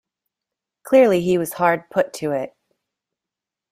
Clearly he was hard put to it.